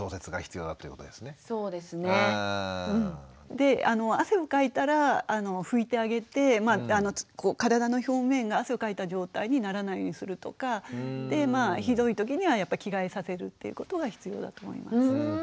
で汗をかいたら拭いてあげて体の表面が汗をかいた状態にならないようにするとかひどい時には着替えさせるっていうことが必要だと思います。